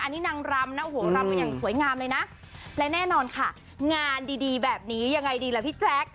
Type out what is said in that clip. อันนี้นางรำนะโอ้โหรำกันอย่างสวยงามเลยนะและแน่นอนค่ะงานดีดีแบบนี้ยังไงดีล่ะพี่แจ๊ค